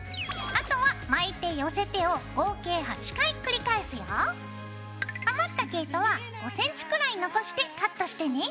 あとは巻いて寄せてを合計余った毛糸は５ｃｍくらい残してカットしてね。